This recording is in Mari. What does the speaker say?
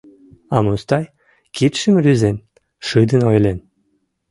А Мустай, кидшым рӱзен, шыдын ойлен: